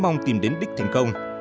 mong tìm đến đích thành công